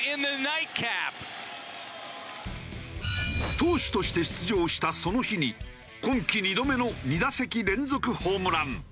投手として出場したその日に今季２度目の２打席連続ホームラン。